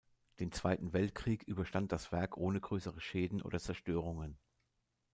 Den Zweiten Weltkrieg überstand das Werk ohne größere Schäden oder Zerstörungen.